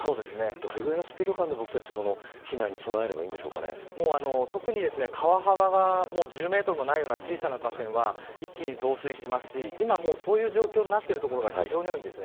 どれくらいのスピード感で僕たちは避難に特に川幅が１０メートルもないような小さな河川は一気に増水しますし今、もうそういう状況になってる所が非常に多いです。